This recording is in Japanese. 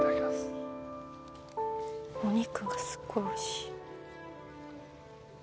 お肉がすごいおいしい。